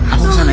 aku kesana ya